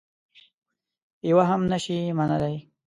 یوه هم نه شي منلای.